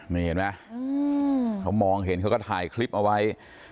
นี่เห็นไหมเขามองเห็นเขาก็ถ่ายคลิปเอาไว้